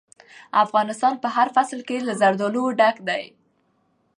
افغانستان په هر فصل کې له زردالو ډک دی.